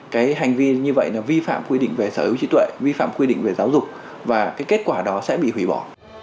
quy định về sở hữu trí tuệ vi phạm quy định về giáo dục và cái kết quả đó sẽ bị hủy bỏ